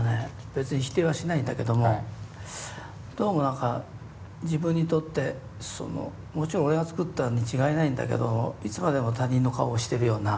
別に否定はしないんだけどもどうも何か自分にとってもちろん俺が作ったに違いないんだけどいつまでも他人の顔をしてるような。